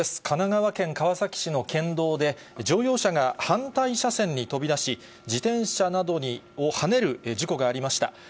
神奈川県川崎市の県道で、乗用車が反対車線に飛び出し、自転車などをはねる事故がありました。